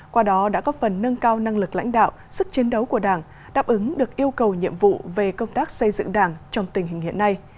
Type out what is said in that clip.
qua đó đã có phần nâng cao năng lực lãnh đạo sức chiến đấu của đảng đáp ứng được yêu cầu nhiệm vụ về công tác xây dựng đảng trong tình hình hiện nay